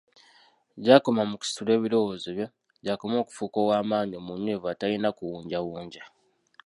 Gy'akoma mu kusitula ebirowoozo bye, gy'akoma okufuuka ow'amaanyi, omunywevu atalina kuwunjawunja.